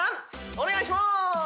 お願いします！